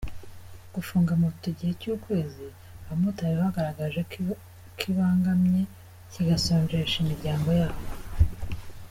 Gufunga moto igihe cy’ukwezi abamotari bagaragaje kibangamye kigasonjesha n’imiryango yabo.